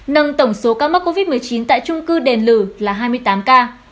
nâng tổng số ca mắc covid một mươi chín tại trung cư đền lử là hai mươi tám ca